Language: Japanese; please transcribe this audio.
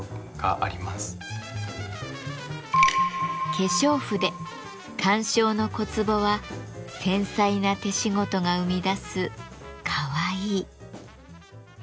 化粧筆鑑賞の小壺は繊細な手仕事が生み出す“カワイイ”。